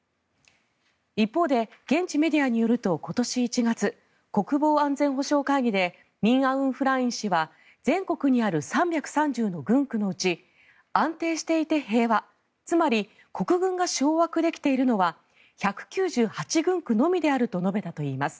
一方で、現地メディアによると今年１月国防安全保障会議でミンアウンフライン氏は全国にある３３０の郡区のうち安定していて平和つまり国軍が掌握できているのは１９８郡区のみであると述べたといいます。